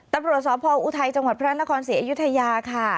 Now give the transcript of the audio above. ตำรวจสพออุทัยจังหวัดพระนครศรีอยุธยาค่ะ